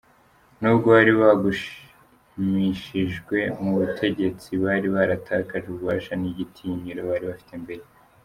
N’ubwo bari baragumishijwe mu butegetsi, bari baratakaje ububasha n’igitinyiro bari bafite mbere.